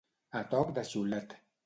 A toc de xiulet.